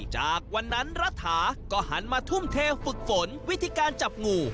จากวันนั้นรัฐาก็หันมาทุ่มเทฝึกฝนวิธีการจับงู